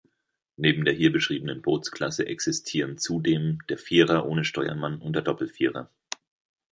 Neben der hier beschriebenen Bootsklasse existieren zudem der Vierer ohne Steuermann und der Doppelvierer.